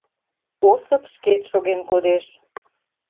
Осып шкет шоген кодеш.